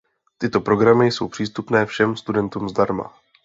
Tyto programy jsou přístupné všem studentům zdarma.